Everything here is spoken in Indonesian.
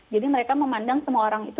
mereka memandang semua orang itu